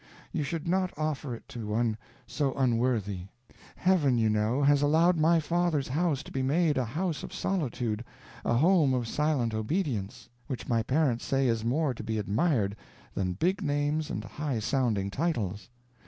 _ You should not offer it to one so unworthy. Heaven, you know, has allowed my father's house to be made a house of solitude, a home of silent obedience, which my parents say is more to be admired than big names and high sounding titles.